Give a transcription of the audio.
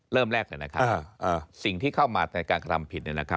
เริ่มแรกเลยนะครับสิ่งที่เข้ามาในการกระทำผิดเนี่ยนะครับ